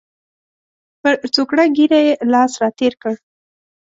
پر څوکړه ږیره یې لاس را تېر کړ.